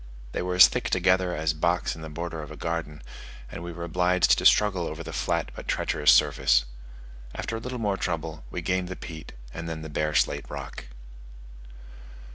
They were as thick together as box in the border of a garden, and we were obliged to struggle over the flat but treacherous surface. After a little more trouble we gained the peat, and then the bare slate rock.